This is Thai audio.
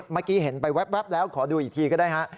เมื่อกี้เห็นไปแว๊บแล้วขอดูอีกทีก็ได้ฮะ